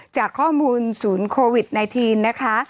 จากข้อมูลศูนย์โควิด๑๙นะคะ